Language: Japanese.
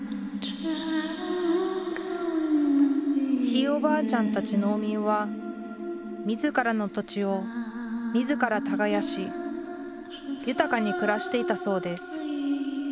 ひいおばあちゃんたち農民は自らの土地を自ら耕し豊かに暮らしていたそうです。